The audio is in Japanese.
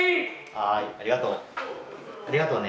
はいありがとう。